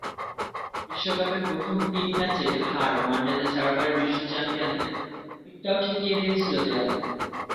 বিশ্বকাপের প্রথম তিন ম্যাচেই হার ওয়ানডেতে চারবারের বিশ্বচ্যাম্পিয়নদের পিঠটাও ঠেকিয়ে দিয়েছিল দেয়ালে।